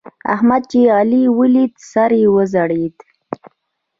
احمد چې علي وليد؛ سره غوړېدل.